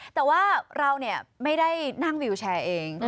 แต่ว่าเราไม่ได้นั่งวิวแชร์เอง